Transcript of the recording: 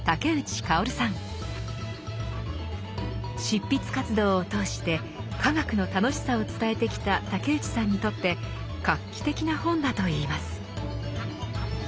執筆活動を通して科学の楽しさを伝えてきた竹内さんにとって画期的な本だといいます。